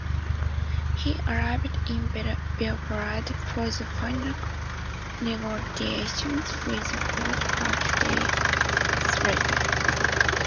He arrived in Belgrade for the final negotiations with the club five days later.